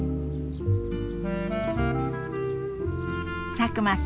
佐久間さん